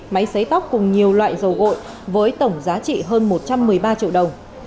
máy xấy tóc cùng nhiều loại dầu gội với tổng giá trị hơn một trăm một mươi ba triệu đồng